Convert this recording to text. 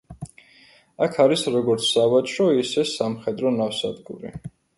აქ არის როგორც სავაჭრო ისე სამხედრო ნავსადგური.